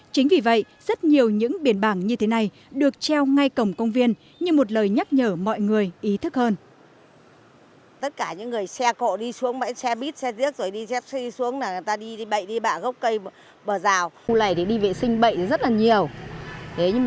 chính vì vậy rất nhiều những biển bảng như thế này được treo ngay cổng công viên như một lời nhắc nhở mọi người ý thức hơn